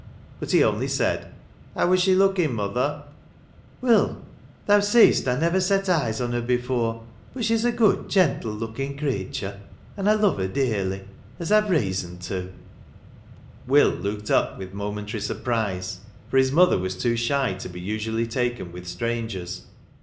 But he only said, ' How was she looking, mother ?'' Will, thou seest I never set eyes on her before ; but she 's a good gentle looking creature ; and I love her dearly, as I Ve reason to,' Will looked up with momentary surprise ; for his mother was too shy to be usually taken with strangers.